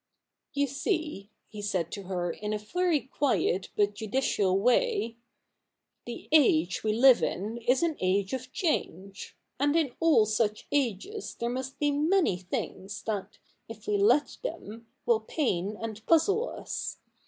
' You see,' he said to her in a very quiet but judicial way, ' the age we live in is an age of change. And in all such ages there must be many things that, if we let them, will pain and puzzle us.